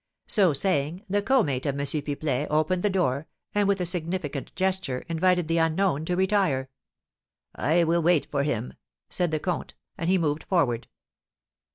So saying, the co mate of M. Pipelet opened the door, and, with a significant gesture, invited the unknown to retire. "I will wait for him," said the comte, and he moved forward.